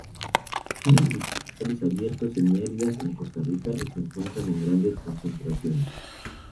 Viven en pastizales abiertos semi-áridas en Costa Rica, y se encuentran en grandes concentraciones.